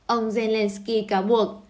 ông zelensky cáo buộc